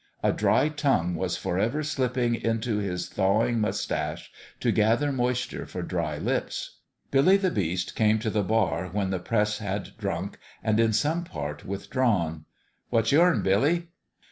A dry tongue was forever slipping into 306 A MIRACLE at PALE PETER'S his thawing moustache to gather moisture for dry lips. Billy the Beast came to the bar when the press had drunk and in some part withdrawn. " What's yourn, Billy?"